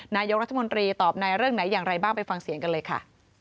นายกรัฐมนตรีตอบในเรื่องไหนอย่างไรบ้างไปฟังเสียงกันเลยค่ะ